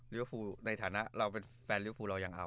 ริวฟูในฐานะเราเป็นแฟนริวฟูเรายังเอา